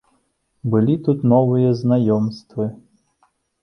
Былі тут новыя знаёмствы.